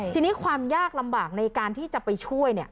ทีนี้ความยากลำบากในการที่จะไปช่วย